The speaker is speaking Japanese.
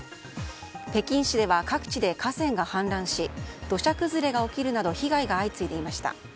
北京市では各地で家屋が倒壊し土砂崩れが起きるなど被害が相次いでいました。